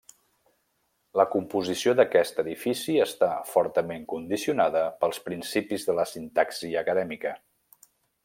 La composició d'aquest edifici està fortament condicionada pels principis de la sintaxi acadèmica.